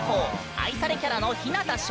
愛されキャラの日向翔